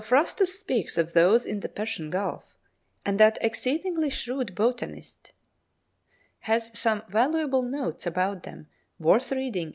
] Theophrastus speaks of those in the Persian gulf, and that exceedingly shrewd botanist has some valuable notes about them worth reading even to day.